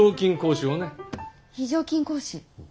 非常勤講師をね。